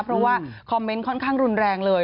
เพราะว่าคอมเมนต์ค่อนข้างรุนแรงเลย